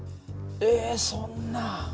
えっそんな！